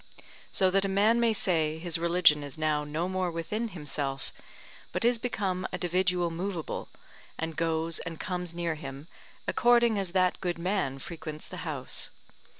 So that a man may say his religion is now no more within himself, but is become a dividual movable, and goes and comes near him, according as that good man frequents the house.